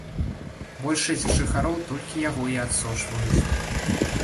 Большасць жыхароў толькі яго і адсочваюць.